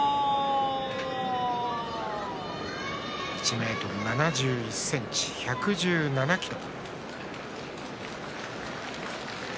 １ｍ７１ｃｍ、１１７ｋｇ。